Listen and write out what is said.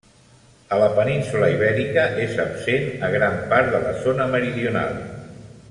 A la península Ibèrica és absent a gran part de la zona meridional.